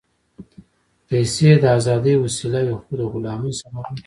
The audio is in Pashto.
پېسې د ازادۍ وسیله وي، خو د غلامۍ سبب هم کېدای شي.